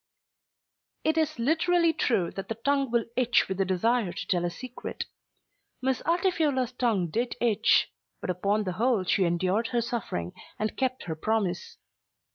It is literally true that the tongue will itch with a desire to tell a secret. Miss Altifiorla's tongue did itch. But upon the whole she endured her suffering, and kept her promise.